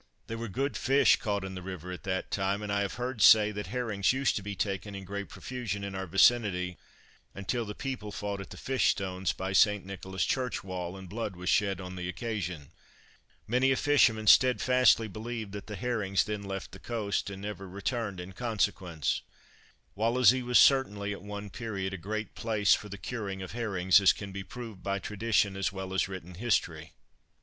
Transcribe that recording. There were good fish caught in the river at that time; and I have heard say that herrings used to be taken in great profusion in our vicinity until the people fought at the Fish Stones by St. Nicholas's Church wall, and blood was shed on the occasion. Many a fisherman steadfastly believed that the herrings then left the coast, and never returned in consequence. Wallasey was certainly, at one period, a great place for the curing of herrings, as can be proved by tradition as well as written history.